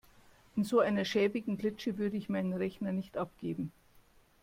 In so einer schäbigen Klitsche würde ich meinen Rechner nicht abgeben.